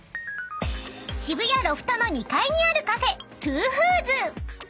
［渋谷ロフトの２階にあるカフェ］